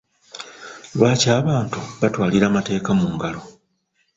Lwaki abantu batwalira amateeka mu ngalo?